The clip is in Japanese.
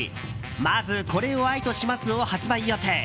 「まず、これを愛とします。」を発売予定。